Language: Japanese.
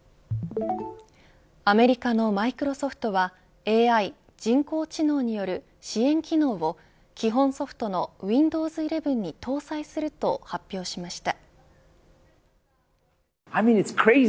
アメリカのマイクロソフトはＡＩ＝人工知能による支援機能を、基本ソフトのＷｉｎｄｏｗｓ１１に搭載すると発表しました。